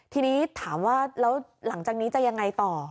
ทีนี้ถามว่าแล้วหลังจากนี้จะยังไงต่อ